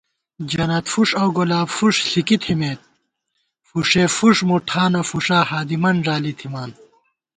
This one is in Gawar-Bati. جنتفُݭ اؤ گلابفُݭ ݪِکی تھِمېت، فُݭېفُݭ مُٹھانہ فُݭا ہادِمن ݫالی تھِمان